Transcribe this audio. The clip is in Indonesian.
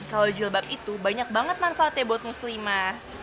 kalau jilbab itu banyak banget manfaatnya buat muslimah